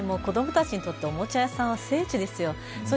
子供たちにとっては、おもちゃ屋さんは聖地ですよ。